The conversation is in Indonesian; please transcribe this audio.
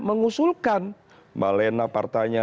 mengusulkan mbak lena partainya